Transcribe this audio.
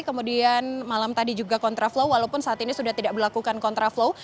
kemudian malam tadi juga kontra flow walaupun saat ini sudah tidak berlakukan kontra flow